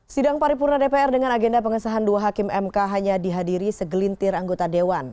sidang paripurna dpr dengan agenda pengesahan dua hakim mk hanya dihadiri segelintir anggota dewan